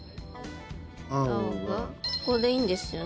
青がここでいいんですよね？